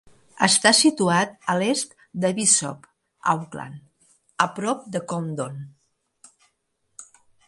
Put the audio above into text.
Està situat a l'est de Bishop Auckland, a prop de Coundon.